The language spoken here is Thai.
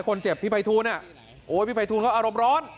คนเจ็บพี่ไพทูนอ่ะโอ้พี่ไพทูนเขาอารมณ์ร้อน